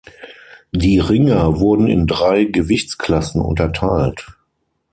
Die Ringer wurden in drei Gewichtsklassen unterteilt.